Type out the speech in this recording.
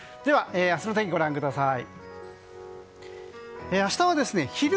明日の天気をご覧ください。